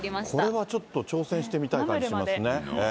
これはちょっと挑戦してみたい感じしますね。